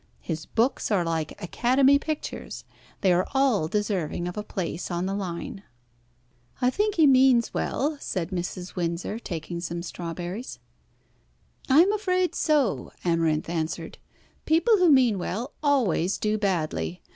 His books are like Academy pictures. They are all deserving of a place on the line." "I think he means well," said Mrs. Windsor, taking some strawberries. "I am afraid so," Amarinth answered. "People who mean well always do badly.